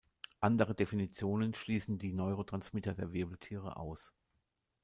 Andere Definitionen schließen die Neurotransmitter der Wirbeltiere aus.